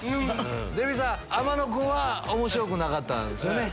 天野君は面白くなかったんですよね。